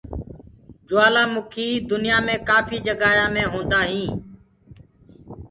جوُلآ مُکيٚ دنيآ مي ڪآپهي جگآ مي هوندآ هينٚ۔